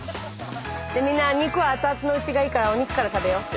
みんな肉はあつあつのうちがいいからお肉から食べよう。